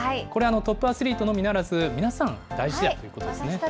これ、トップアスリートのみならず、皆さん、大事だということですね。